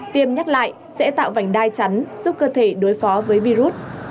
tiêm nhắc lại sẽ tạo vành đai chắn giúp cơ thể đối phó với virus